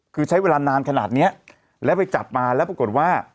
คือใช้เวลานานขนาดเนี้ยแล้วไปจับมาแล้วปรากฏว่า